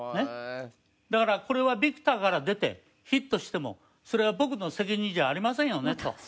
だからこれはビクターから出てヒットしてもそれは僕の責任じゃありませんよねと。